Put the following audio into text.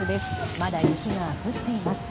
まだ雪が降っています。